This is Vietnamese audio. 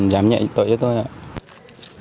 dám nhận tội cho tôi rồi